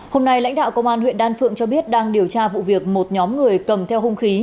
hôm nay lãnh đạo công an huyện đan phượng cho biết đang điều tra vụ việc một nhóm người cầm theo hung khí